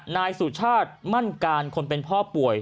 นายสุชาติมั่นการคนเป็นพ่อป่วย